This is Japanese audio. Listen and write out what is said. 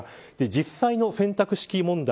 実際の選択式問題